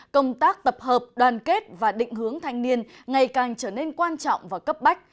công tác tập hợp đoàn kết và định hướng thanh niên ngày càng trở nên quan trọng và cấp bách